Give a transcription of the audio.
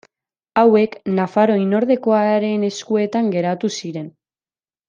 Hauek nafar oinordekoaren eskuetan geratu ziren.